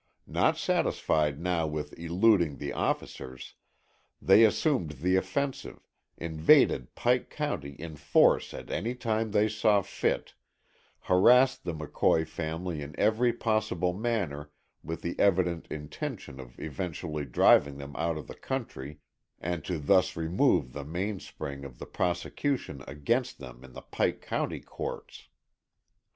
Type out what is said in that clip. Not satisfied now with eluding the officers, they assumed the offensive, invaded Pike County in force at any time they saw fit, harassed the McCoy family in every possible manner with the evident intention of eventually driving them out of the country, and to thus remove the main spring of the prosecution against them in the Pike County courts.